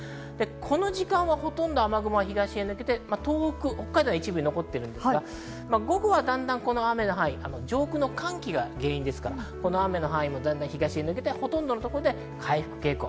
この時間は雨雲がほとんど東へ抜けて、東北や北海道の一部に残ってるんですが、午後はだんだん雨の範囲、上空の寒気が原因ですから、だんだん東へ抜けて、ほとんどの所で回復傾向。